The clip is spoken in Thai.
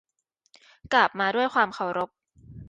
กราบมาด้วยความเคารพ